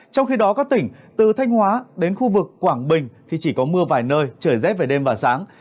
trong khi đó các tỉnh từ thanh hóa đến khu vực quảng bình thì chỉ có mưa vài nơi trời rét về đêm và sáng